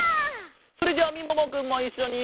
それじゃあみももくんもいっしょに。